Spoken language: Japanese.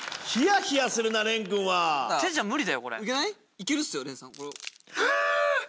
いけるっすよ廉さん。